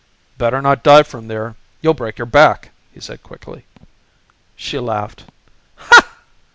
"Better not dive from there! You'll break your back," he said quickly. She laughed.